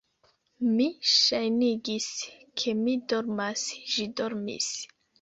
Mi ŝajnigis, ke mi dormas; ĝi dormis.